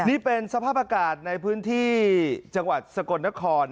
นี่เป็นสภาพอากาศในพื้นที่จังหวัดสกลนคร